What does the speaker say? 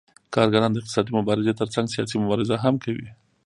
کارګران د اقتصادي مبارزې ترڅنګ سیاسي مبارزه هم کوي